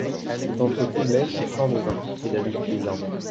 C'est entre Combelaine et Cornevin qu'est la lutte désormais.